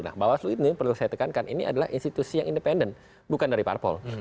nah bawaslu ini perlu saya tekankan ini adalah institusi yang independen bukan dari parpol